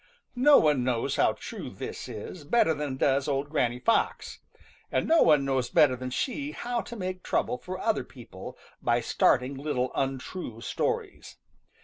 |NO one knows how true this is better than does old Granny Fox. And no one knows better than she how to make trouble for other people by starting little untrue stories.